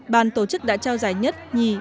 bàn tổ chức đã trao giải nhất hai ba